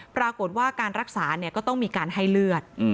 ปรากฏว่าการรักษาก็ต้องมีการให้เลือด